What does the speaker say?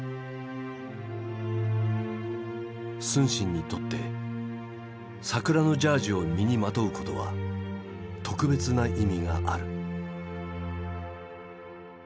承信にとって「桜のジャージ」を身にまとうことは特別な意味がある。